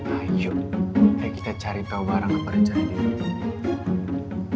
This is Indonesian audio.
ayo ayo kita cari tau orang kepercayaan diri kita